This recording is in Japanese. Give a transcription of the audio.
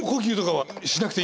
はい。